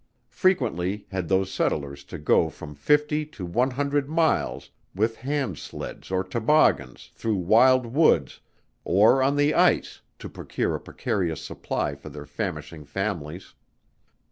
Frequently had those settlers to go from fifty to one hundred miles with hand sleds or toboggans through wild woods or on the ice to procure a precarious supply for their famishing families.